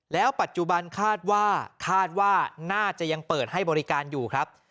แล้วปัจจุบันคาดว่าคาดว่าน่าจะยังเปิดให้บริการอยู่ครับ